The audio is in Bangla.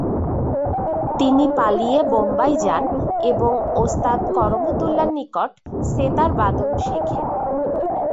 তিনি পালিয়ে বোম্বাই যান এবং ওস্তাদ করমতুল্লার নিকট সেতারবাদন শেখেন।